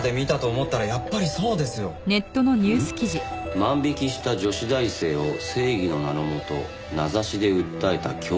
「万引きした女子大生を正義の名のもと名指しで訴えた教育長」。